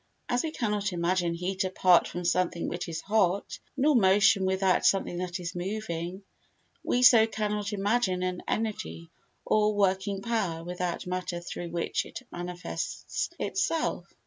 As we cannot imagine heat apart from something which is hot, nor motion without something that is moving, so we cannot imagine an energy, or working power, without matter through which it manifests itself.